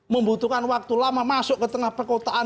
membutuhkan waktu lama masuk ke tengah perkotaan